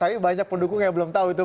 tapi banyak pendukung yang belum tahu itu